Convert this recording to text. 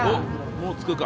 もう着くか。